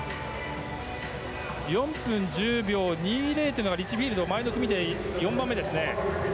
４分１０秒２０というのがリッチフィールド前の組で４番目です。